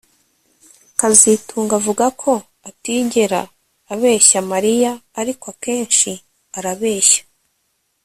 kazitunga avuga ko atigera abeshya Mariya ariko akenshi arabeshya